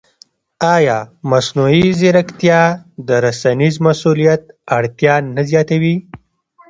ایا مصنوعي ځیرکتیا د رسنیز مسوولیت اړتیا نه زیاتوي؟